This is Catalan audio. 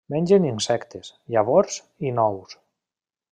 Mengen insectes, llavors i nous.